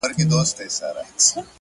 په دامونو ښکار کوي د هوښیارانو-